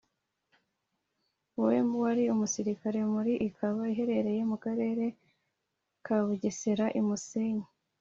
we wari umusirikare muri Ikaba iherereye mu Karere ka Bugesera I Musenyi